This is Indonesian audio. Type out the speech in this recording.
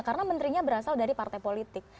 karena menterinya berasal dari partai politik